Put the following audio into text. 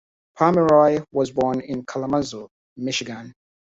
Pomeroy was born in Kalamazoo, Michigan.